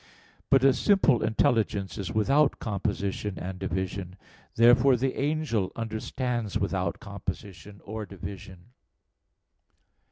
But a simple intelligence is without composition and division. Therefore the angel understands without composition or division.